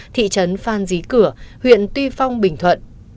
thị trấn phan dí cửa huyện tuy phong bình thuận